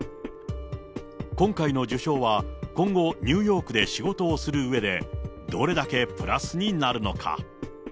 今回の受賞は、今後、ニューヨークで仕事をするうえで、どれだけプラスになるのか。